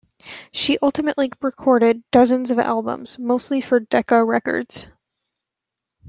She ultimately recorded dozens of albums, mostly for Decca Records.